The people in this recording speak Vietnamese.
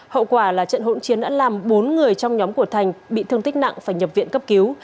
hậu quả là trận hỗn chiến đã làm bốn người trong nhóm của thành bị thương tích nặng phải nhập viện cấp cứu